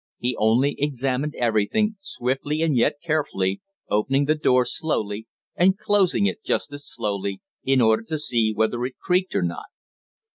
He only examined everything, swiftly and yet carefully, opening the door slowly and closing it just as slowly, in order to see whether it creaked or not.